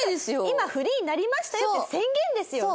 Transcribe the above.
今フリーになりましたよっていう宣言ですよ